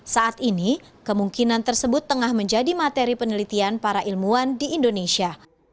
saat ini kemungkinan tersebut tengah menjadi materi penelitian para ilmuwan di indonesia